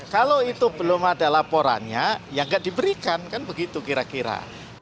kalau itu belum ada laporannya ya nggak diberikan kan begitu kira kira